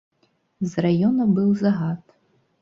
З раёна быў загад.